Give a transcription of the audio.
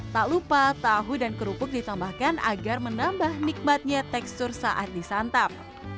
tak lupa tahu dan kerupuk ditambahkan agar menambah nikmatnya tekstur saat disantap